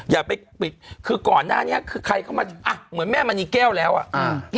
อย่าไปปิดคือก่อนหน้านี้คือใครเข้ามาอ่ะเหมือนแม่มณีแก้วแล้วอ่ะ